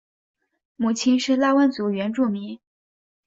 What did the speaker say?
母亲是排湾族原住民。